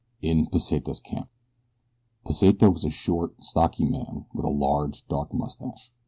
IN PESITA'S CAMP PESITA was a short, stocky man with a large, dark mustache.